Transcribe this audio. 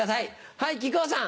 はい木久扇さん。